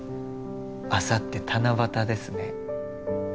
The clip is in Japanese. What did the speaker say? あさって七夕ですね。